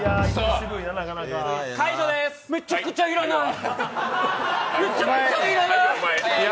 めちゃくちゃ要らない。